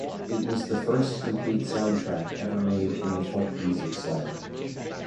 It was the first complete soundtrack ever made in the folk music style.